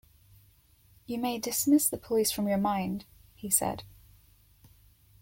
“You may dismiss the police from your mind,” he said.